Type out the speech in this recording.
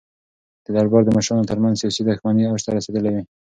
د دربار د مشرانو ترمنځ سیاسي دښمنۍ اوج ته رسېدلې وې.